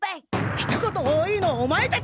ひと言多いのはオマエたちだ！